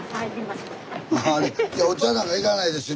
いやお茶なんか要らないですよ。